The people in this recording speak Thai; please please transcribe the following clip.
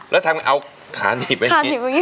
แล้วทำเอาขาหนีบไป